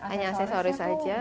hanya aksesoris saja